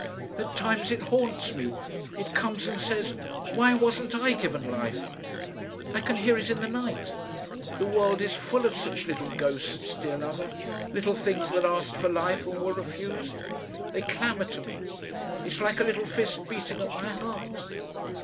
At times it haunts me. It comes and says, Why wasn't I given life? I can hear it in the night.... The world is full of such little ghosts, dear lover little things that asked for life and were refused. They clamour to me. It's like a little fist beating at my heart.